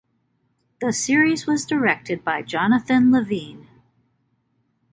The series was directed by Jonathan Levine.